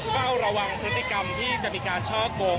เฝ้าระวังพฤติกรรมที่จะมีการช่อกง